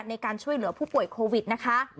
ในการช่วยเหลือผู้ป่วยโควิดนะคะ